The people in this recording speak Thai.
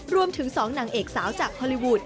รวมถึง๒นางเอกสาวจากฮอลลีวูด